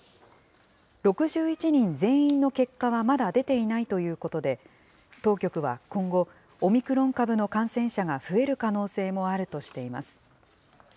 ６１人全員の結果はまだ出ていないということで、当局は今後、オミクロン株の感染者が増える可能性もあるとしています。